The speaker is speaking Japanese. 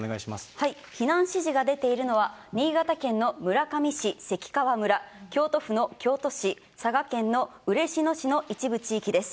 避難指示が出ているのは、新潟県の村上市、関川村、京都府の京都市、佐賀県の嬉野市の一部地域です。